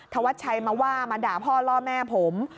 ธวัชชัยมาว่ามาด่าพ่อล่อแม่ผม